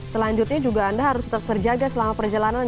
selanjutnya juga anda harus tetap terjaga selama perjalanan